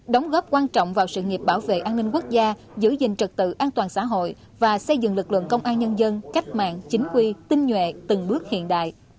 đóng góp quan trọng vào sự nghiệp bảo vệ an ninh quốc gia giữ gìn trật tự an toàn xã hội và xây dựng lực lượng công an nhân dân cách mạng chính quy tinh nhuệ từng bước hiện đại